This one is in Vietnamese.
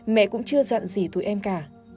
mẹ cũng chưa giận gì tụi em cả